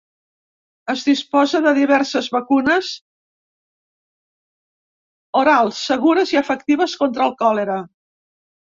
Es disposa de diverses vacunes orals, segures i efectives, contra el còlera.